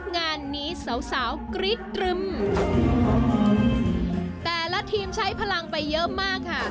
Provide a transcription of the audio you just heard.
งานนี้สาวสาวกรี๊ดตรึมแต่ละทีมใช้พลังไปเยอะมากค่ะ